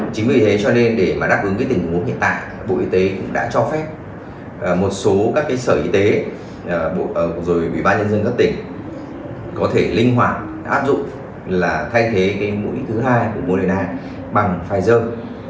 chính vì thế cho nên để mà đáp ứng tình huống hiện tại bộ y tế cũng đã cho phép một số các sở y tế rồi ủy ban nhân dân các tỉnh có thể linh hoạt áp dụng là thay thế cái mũi thứ hai của moderna bằng pfizer